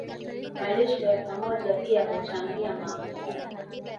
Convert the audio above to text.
Malisho ya pamoja pia huchangia maambukizi